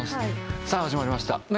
「さぁ始まりました」。